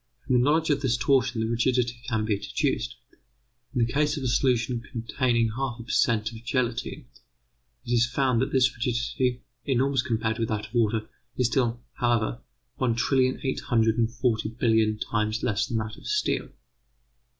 From the knowledge of this torsion the rigidity can be deduced. In the case of a solution containing 1/2 per cent. of gelatine, it is found that this rigidity, enormous compared with that of water, is still, however, one trillion eight hundred and forty billion times less than that of steel.